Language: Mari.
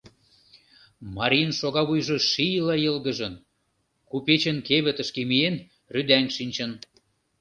Марийын шогавуйжо шийла йылгыжын, купечын, кевытыште киен, рӱдаҥ шинчын.